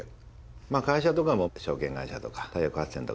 会社とかも証券会社とか太陽光発電とかいろいろ始めた。